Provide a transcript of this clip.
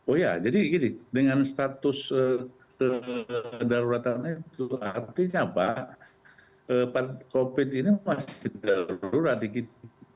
oh ya jadi gini dengan status kedaruratan itu artinya apa covid ini masih darurat di kita